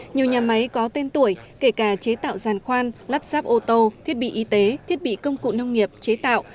nhiều nhà máy có tên tuổi kể cả chế tạo giàn khoan lắp sáp ô tô thiết bị y tế thiết bị công cụ nông nghiệp chế tạo